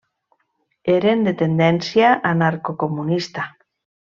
Eren de tendència anarcocomunista.